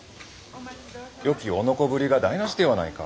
よき男ぶりが台なしではないか。